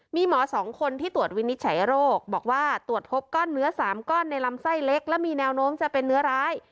มีหมอ๒คนที่ตรวจวินิจฉัยโรคบอกว่าตรวจพบก้อนเนื้อ๓ก้อนในลำไส้เล็กและมีแนวโน้มจะเป็นเนื้อร้าย